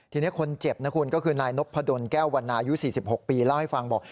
ทีนี้คนเจ็บนะคุณก็คือนายนพดลแก้ววันนายุ๔๖ปีเล่าให้ฟังบอก